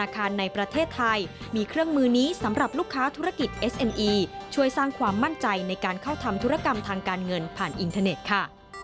เข้าทำธุรกรรมทางการเงินผ่านอินเทอร์เน็ตค่ะ